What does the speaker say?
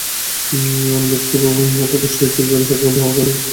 Lobkov প্রকাশ্যে HIV ভাইরাসে আক্রান্ত হওয়ার কথা স্বীকার করা প্রথম রুশ নাগরিক।